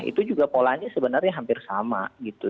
itu juga polanya sebenarnya hampir sama gitu